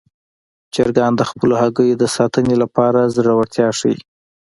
چرګان د خپلو هګیو د ساتنې لپاره زړورتیا ښيي.